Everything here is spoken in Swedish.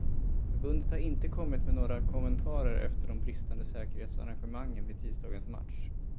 Förbundet har inte kommit med några kommentarer efter de bristande säkerhetsarrangemangen vid tisdagens match.